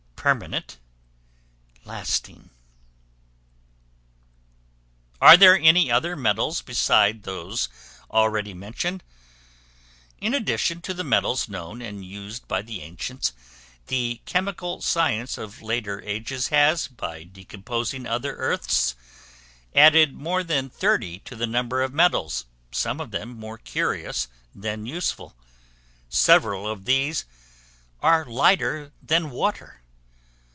Permanent, lasting. Are there any other Metals besides those already mentioned? In addition to the metals known and used by the ancients, the chemical science of later ages has, by decomposing other earths, added more than thirty to the number of metals, some of them more curious than useful; several of these are lighter than water.